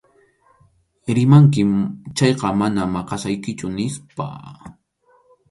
Rimanki chayqa mana maqasaykichu, nispa.